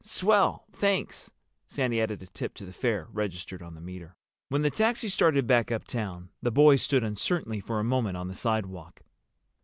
"Swell. Thanks." Sandy added a tip to the fare registered on the meter. When the taxi started back uptown the boys stood uncertainly for a moment on the sidewalk.